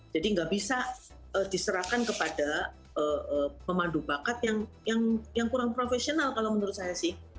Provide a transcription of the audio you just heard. jadi nggak bisa diserahkan kepada pemandu bakat yang kurang profesional kalau menurut saya sih